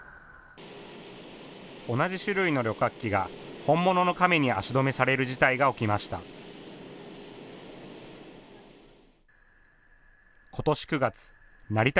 同じ種類の旅客機が本物のカメに足止めされる事態が起きました。